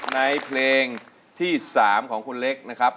ในเพลงที่๓ของคุณเล็กนะครับ